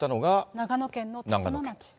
長野県の辰野町。